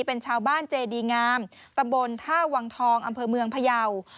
เป็นชาวบ้านเจดีงามตำบลท่าวังทองอำเภอเมืองพยาว